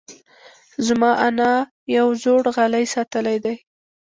زما انا یو زوړ غالۍ ساتلی دی.